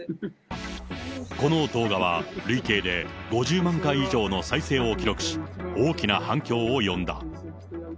この動画は、累計で５０万回以上の再生を記録し、大きな反響を呼んだ。